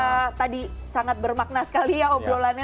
ya obrolan tadi sangat bermakna sekali ya obrolannya